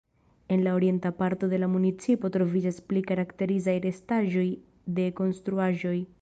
En la orienta parto de la municipo troviĝas pli karakterizaj restaĵoj de konstruaĵoj.